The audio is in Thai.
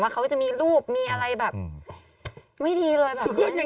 ว่าเขาจะมีรูปนี่อะไรแบบ